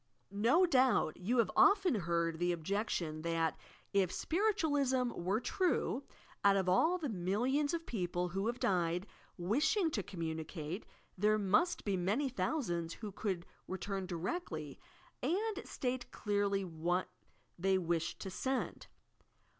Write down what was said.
No doubt you have often heard the objection, that, if Spiritualism were true, out of all the millions of people who have died, wishing to communicate, there must be many thousands who could return directly and slate clearly what they wished to send!